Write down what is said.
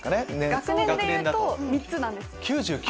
学年でいうと３つなんです。